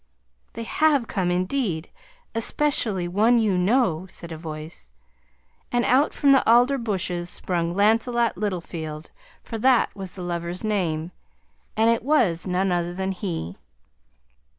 "They HAVE come indeed; ESPECIALLY ONE YOU KNOW," said a voice, and out from the alder bushes sprung Lancelot Littlefield, for that was the lover's name and it was none other than he.